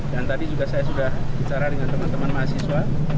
dan tadi juga saya sudah bicara dengan teman teman mahasiswa